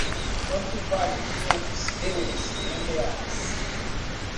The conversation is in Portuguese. Quanto vale quinhentos euros em reais?